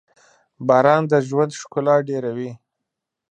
• باران د ژوند ښکلا ډېروي.